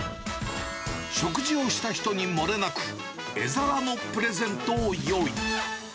食事をした人にもれなく絵皿のプレゼントを用意。